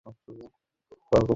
এটাই হবে তার শেষ পরিনতি।